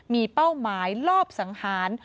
มีเป้าหมายลอบสังหาร